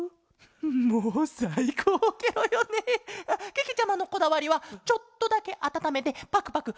けけちゃまのこだわりはちょっとだけあたためてパクパクおくちに。